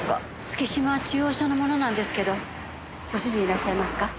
月島中央署の者なんですけどご主人いらっしゃいますか？